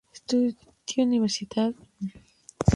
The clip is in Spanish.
Estudió en la Universidad de Edimburgo.